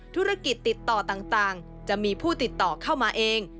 ธุรกิจติดต่อต่างจะมีผู้ติดต่อเข้ามาเอง